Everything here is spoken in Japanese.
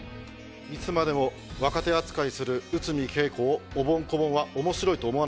いつまでも若手扱いする内海桂子をおぼん・こぼんは面白いと思わなかった。